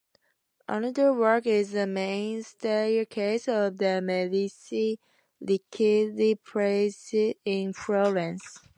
Another work is the main staircase of the Medici-Riccardi Palace in Florence.